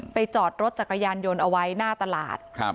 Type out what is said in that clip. จอดรถจักรยานยนต์เอาไว้หน้าตลาด